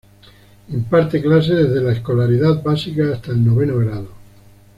Imparte clases desde la escolaridad básica hasta el noveno grado.